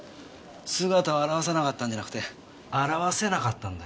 姿を現さなかったんじゃなくて現せなかったんだ。